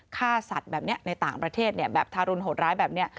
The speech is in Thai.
ฆ่าสัตว์แบบนี้ในต่างประเทศแบบทารุณโหดร้ายแบบนี้